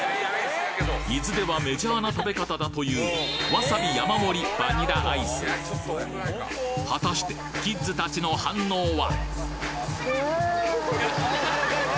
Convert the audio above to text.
伊豆ではメジャーな食べ方だというわさび山盛りバニラアイス果たしてキッズたちの反応は？